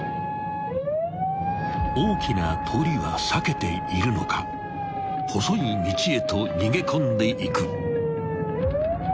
［大きな通りは避けているのか細い道へと逃げ込んでいく］